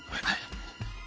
はい。